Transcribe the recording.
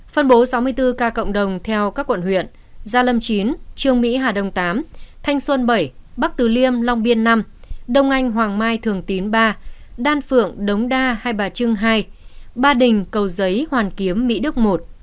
phân bố sáu mươi bốn ca cộng đồng theo các quận huyện gia lâm chín trương mỹ hà đông tám thanh xuân bảy bắc từ liêm long biên năm đông anh hoàng mai thường tín ba đan phượng đống đa hai bà trưng hai ba đình cầu giấy hoàn kiếm mỹ đức một